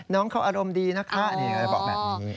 น้องเขาอารมณ์ดีนะคะอะไรบอกแบบนี้